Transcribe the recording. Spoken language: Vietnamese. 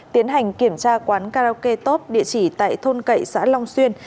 tiến hành kiểm tra quán karaoke top địa chỉ tại thôn cậy xã long xuyên